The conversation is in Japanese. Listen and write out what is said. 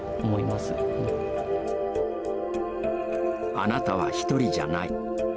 あなたはひとりじゃない。